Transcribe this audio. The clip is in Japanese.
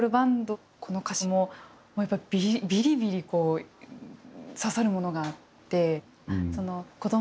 この歌詞も、やっぱりビリビリ刺さるものがあって。